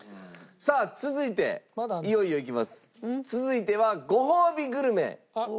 さあ続いていよいよいきます。